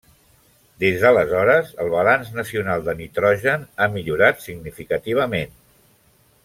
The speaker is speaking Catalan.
Des d'aleshores, el balanç nacional de nitrogen ha millorat significativament.